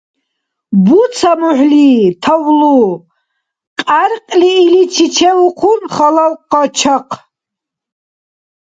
– Буца мухӀли, тавлу! – кьяркьли иличи чевхъун халал къачагъ.